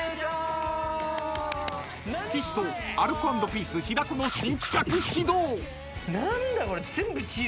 ［岸とアルコ＆ピース平子の新企画始動］